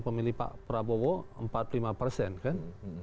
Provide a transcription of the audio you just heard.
pemilih pak prabowo empat puluh lima persen kan